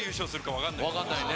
分かんないね。